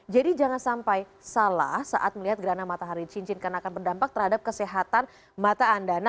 jadi jangan sampai salah saat melihat gerhana matahari cincin karena akan berdampak terhadap kesehatan mata anda